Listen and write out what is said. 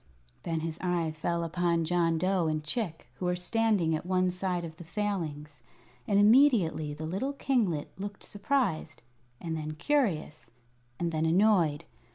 Then his eye fell upon John Dough and Chick, who were standing at one side of the Failings, and immediately the little kinglet looked surprised, and then curious, and then annoyed.